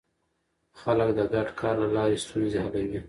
خلک د ګډ کار له لارې ستونزې حلوي